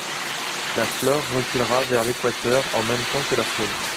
La flore reculera vers l’équateur en même temps que la faune.